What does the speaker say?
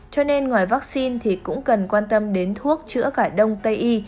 cho nên ngoài vaccine thì cũng cần quan tâm đến thuốc chữa khải đông tây y